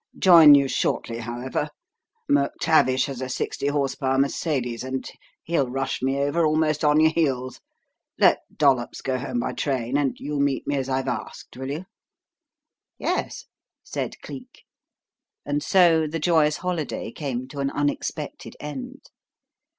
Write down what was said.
Join you shortly, however. McTavish has a sixty horse power Mercedes, and he'll rush me over almost on your heels. Let Dollops go home by train, and you meet me as I've asked, will you?" "Yes," said Cleek. And so the joyous holiday came to an unexpected end.